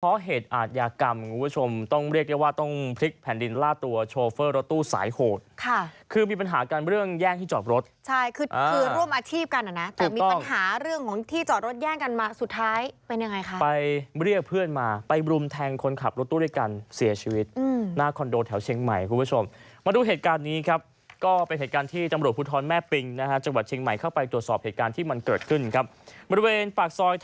เพราะเหตุอาทยากรรมคุณผู้ชมต้องเรียกได้ว่าต้องพลิกแผ่นดินล่าตัวโชเฟอร์รถตู้สายโหดค่ะคือมีปัญหาการเรื่องแย่งที่จอดรถใช่คือร่วมอาชีพกันนะแต่มีปัญหาเรื่องของที่จอดรถแย่งกันมาสุดท้ายเป็นยังไงค่ะไปเรียกเพื่อนมาไปบรุมแทงคนขับรถตู้ด้วยกันเสียชีวิตหน้าคอนโดแถวเชียงใหม่คุณผ